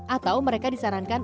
atau mereka disarankan